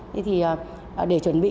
thế thì để chuẩn bị